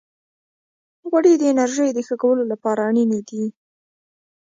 غوړې د انرژۍ د ښه کولو لپاره اړینې دي.